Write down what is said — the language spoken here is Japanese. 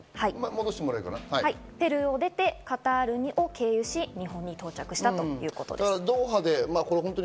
ペルーを出て、カタールを経由し、日本に到着したということです。